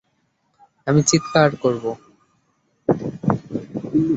আমি চিৎকার করবো।